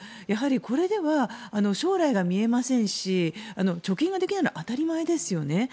やはりこれでは将来が見えませんし貯金ができないのは当たり前ですよね。